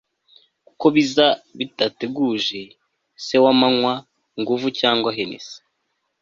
kuko biza bidateguje se wanywa nguvu cyangwa henesi